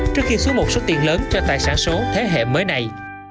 trước khi xuống một số tiền lớn cho tài sản số thế hệ mới này